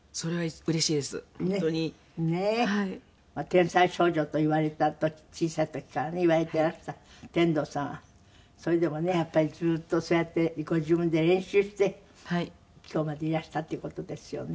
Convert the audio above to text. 天才少女といわれた時小さい時からねいわれてらした天童さんはそれでもねやっぱりずっとそうやってご自分で練習して今日までいらしたっていう事ですよね。